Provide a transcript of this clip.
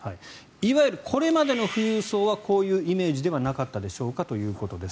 いわゆるこれまでの富裕層はこういうイメージではなかったでしょうかということです。